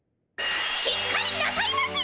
しっかりなさいませ！